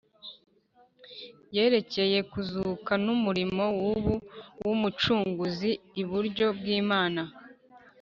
yerekeye kuzuka n'umurimo w'ubu w'Umucunguzi iburyo bw'Imana.